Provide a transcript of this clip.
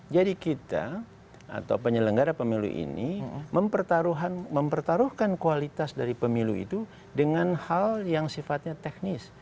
jadi kita atau penyelenggara pemilu ini mempertaruhkan kualitas dari pemilu itu dengan hal yang sifatnya teknis